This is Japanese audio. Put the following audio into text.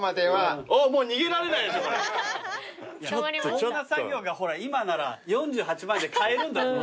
こんな作業が今なら４８万で買えるんだぞ。